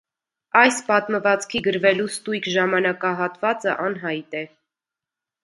Այս պատմվածքի գրվելու ստույգ ժամանակահատվածը անհայտ է։